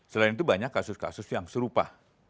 selain itu banyak kasus kasus yang serupa